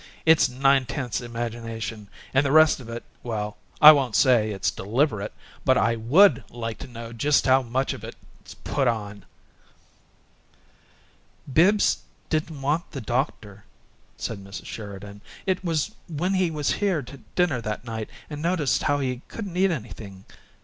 It's nine tenths imagination, and the rest of it well, I won't say it's deliberate, but I WOULD like to know just how much of it's put on!" "Bibbs didn't want the doctor," said Mrs. Sheridan. "It was when he was here to dinner that night, and noticed how he couldn't eat anything.